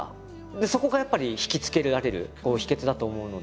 そこがやっぱり惹きつけられる秘けつだと思うので。